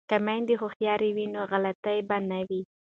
که میندې هوښیارې وي نو غلطي به نه وي.